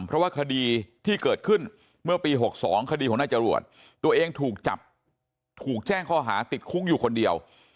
เพราะว่าคดีที่เกิดขึ้นเมื่อปี๖๒คดีของนายจรวดตัวเองถูกจับถูกแจ้งข้อหาติดคุกอยู่คนเดียว